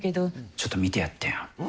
ちょっと診てやってよ。